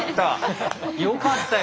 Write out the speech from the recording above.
よかった。